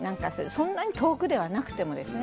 そんなに遠くではなくてもですね。